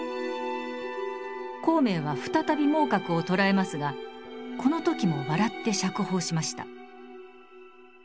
孔明は再び孟獲を捕らえますがこの時も笑って釈放しました。